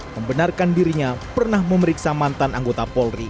membenarkan dirinya pernah memeriksa mantan anggota polri